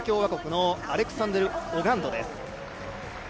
ドミニカ共和国のアレクサンデル・オガンドです。